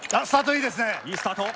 いいスタート。